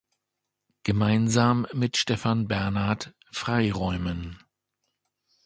Gemeinsam mit Stefan Bernard: "Freiräumen.